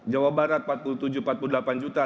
jawa barat empat puluh tujuh empat puluh delapan juta